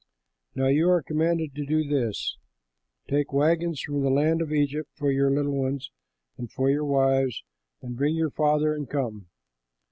Now you are commanded to do this: take wagons from the land of Egypt for your little ones and for your wives, and bring your father and come.